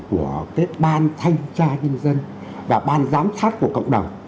của cái ban thanh tra nhân dân và ban giám sát của cộng đồng